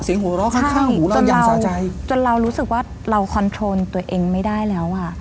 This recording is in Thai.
หัวเราะข้างข้างหูเรายาวจนเรารู้สึกว่าเราคอนโทรลตัวเองไม่ได้แล้วอ่ะ